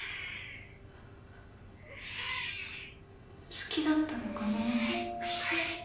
好きだったのかな。